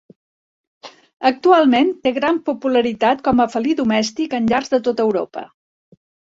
Actualment té gran popularitat com a felí domèstic en llars de tota Europa.